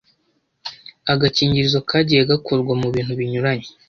agakingirizo kagiye gakorwa mu bintu binyuranye,